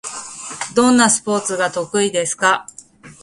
どんなスポーツが得意ですか？